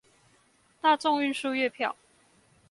大眾運輸月票